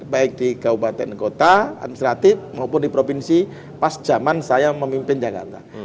baik di kabupaten kota administratif maupun di provinsi pas zaman saya memimpin jakarta